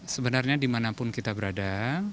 sebenarnya dimanapun kita berada